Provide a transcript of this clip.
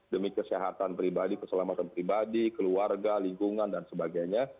demi kesehatan pribadi keselamatan pribadi keluarga lingkungan dan sebagainya